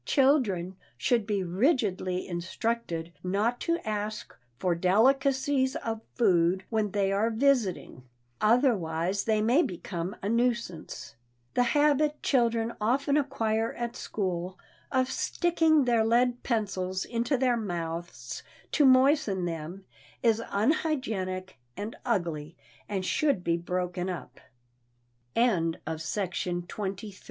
Children should be rigidly instructed not to ask for delicacies of food when they are visiting, otherwise they may become a nuisance. The habit children often acquire at school, of sticking their lead pencils into their mouths to moisten them, is unhygienic and ugly, and should